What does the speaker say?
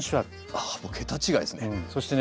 あもう桁違いですね。